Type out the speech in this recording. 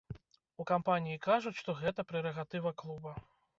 У кампаніі кажуць, што гэта прэрагатыва клуба.